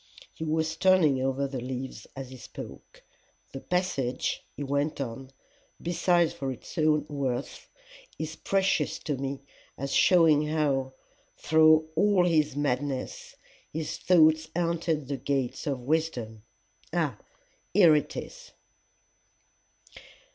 He was turning over the leaves as he spoke. "The passage," he went on, "besides for its own worth, is precious to me as showing how, through all his madness, his thoughts haunted the gates of wisdom. Ah! here it is!